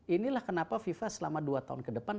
inilah kenapa fifa selama dua tahun ke depan